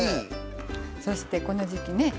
そしてこの時季ね